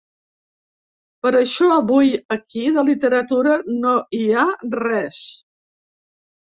Per això avui, aquí, de literatura no hi ha res.